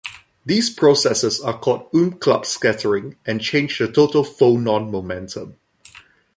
These processes are called Umklapp scattering and change the total phonon momentum.